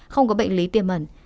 không có bệnh lý tiêm ẩn